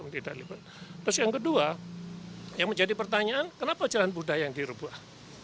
terus yang kedua yang menjadi pertanyaan kenapa jalan budaya yang direbuah